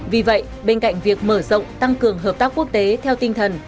vì vậy bên cạnh việc mở rộng tăng cường hợp tác quốc tế theo tinh thần